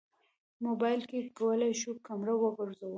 موبایل کې کولی شو کمره وګرځوو.